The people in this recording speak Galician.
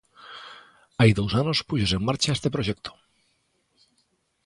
Hai dous anos púxose en marcha este proxecto.